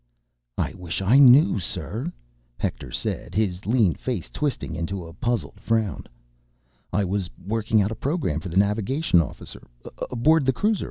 "I wish I knew, sir," Hector said, his lean face twisting into a puzzled frown. "I was working out a program for the navigation officer ... aboard the cruiser.